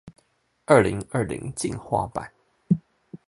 二零二零進化版